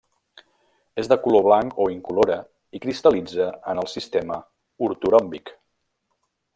És de color blanc o incolora i cristal·litza en el sistema ortoròmbic.